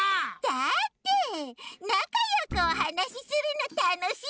だってなかよくおはなしするのたのしいんだもん。